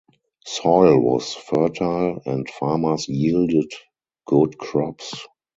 Soil was fertile and farmers yielded good crops.